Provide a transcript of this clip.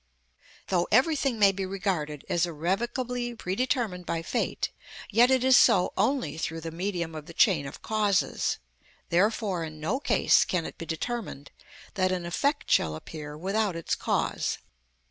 Though everything may be regarded as irrevocably predetermined by fate, yet it is so only through the medium of the chain of causes; therefore in no case can it be determined that an effect shall appear without its cause.